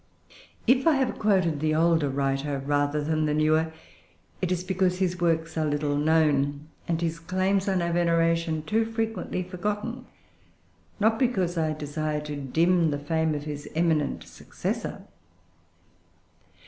If I have quoted the older writer rather than the newer, it is because his works are little known, and his claims on our veneration too frequently forgotten, not because I desire to dim the fame of his eminent successor.